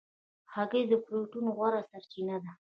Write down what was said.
هګۍ د پروټین غوره سرچینه ده.